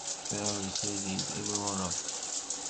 When I recited it, everyone laughed.